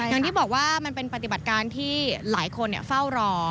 อย่างที่บอกว่ามันเป็นปฏิบัติการที่หลายคนเฝ้ารอ